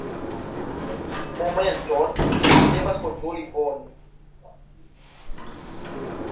Momenton, mi devas kontroli. Bone.